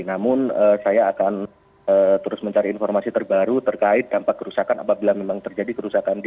namun saya akan terus mencari informasi terbaru terkait dampak kerusakan apabila memang terjadi kerusakan